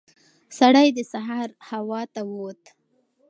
سړی د سهار هوا ته ووت.